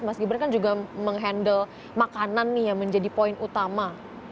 mas gibran kan juga menghandle makanan nih yang menjadi poin utama